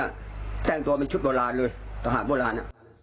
แต่งตัวเป็นชุดโบราณเลยทหารโบราณ